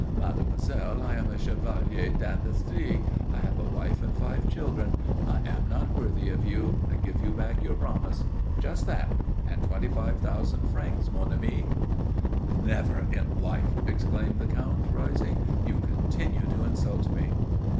'Mademoiselle, I am a chevalier d'industrie. I have a wife and five children. I am not worthy of you. I give you back your promise.' Just that. And twenty five thousand francs, mon ami." "Never in life!" exclaimed the Count rising. "You continue to insult me."